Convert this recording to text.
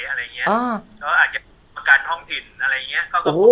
เขาอาจการท่องถิ่นมาพูดไว้เลย